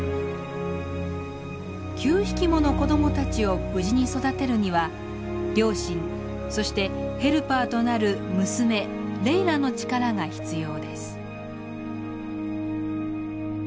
９匹もの子どもたちを無事に育てるには両親そしてヘルパーとなる娘レイラの力が必要です。